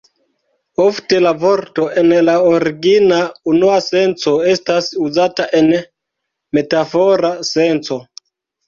Ofte la vorto en la origina, unua senco estas uzata en metafora senco.